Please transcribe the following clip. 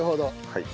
はい。